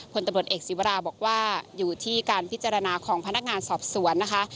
ผลตำรวจเอกศิวราบอกว่าอยู่ที่การพิจารณาของพนักงานสอบสวนนะคะ